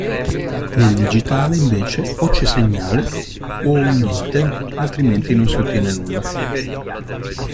Nel digitale invece o c'è segnale o… niente, altrimenti non si ottiene nulla.